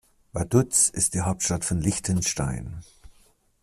Vaduz ist die Hauptstadt von Liechtenstein.